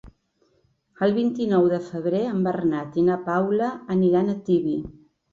El vint-i-nou de febrer en Bernat i na Paula aniran a Tibi.